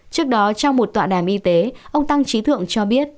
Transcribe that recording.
trước đó trong một tọa đàm y tế ông tăng trí thượng cho biết